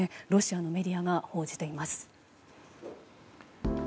ロシアのメディアが報じています。